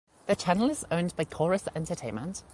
The channel is owned by Corus Entertainment.